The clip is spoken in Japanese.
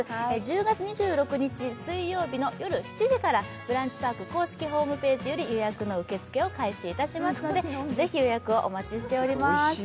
１０月２６日水曜日の夜７時からブランチパーク公式ホームページより予約の受付を開始しますのでぜひ予約をお待ちしております。